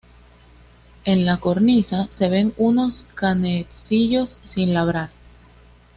En la cornisa se ven unos canecillos sin labrar.